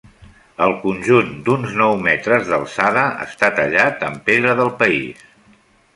El conjunt, d'uns nou metres d'alçada, està tallat en pedra del país.